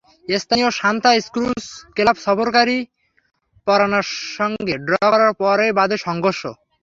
স্থানীয় Santa Cruz club সফরকারী পারানার সঙ্গে ড্র করার পরই বাধে সংঘর্ষ।